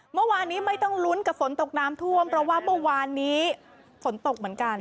เมื่อวานนี้ไม่ต้องลุ้นกับฝนตกน้ำท่วมเพราะว่าเมื่อวานนี้ฝนตกเหมือนกัน